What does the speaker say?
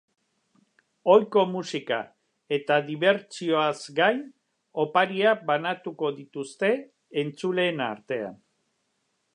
Ohiko musika eta dibertsioaz gain, opariak banatuko dituzte entzuleen artean.